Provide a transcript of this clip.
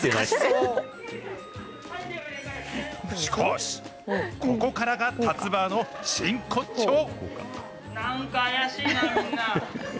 しかし、ここからがたつ婆の真骨頂。